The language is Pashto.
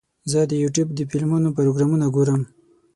زه د یوټیوب د فلمونو پروګرامونه ګورم.